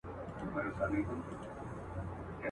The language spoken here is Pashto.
ویلې یې لاحول ده پخوا په کرنتین کي.